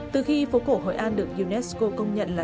từ khi phố cổ hội an được unesco công nhận là